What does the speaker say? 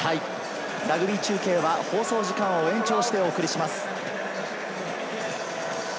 ラグビー中継は放送時間を延長してお送りします。